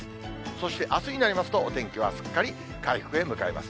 そして、あすになりますと、お天気はすっかり回復へ向かいます。